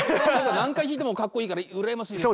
何回弾いてもかっこいいから羨ましいです。